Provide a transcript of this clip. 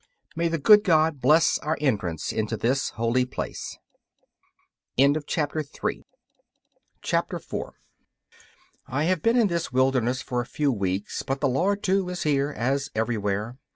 May the good God bless our entrance into this holy place. 4 I have now been in this wilderness for a few weeks, but the Lord, too, is here, as everywhere.